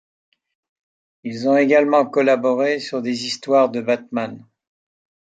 Ils ont également collaboré sur des histoires de Batman.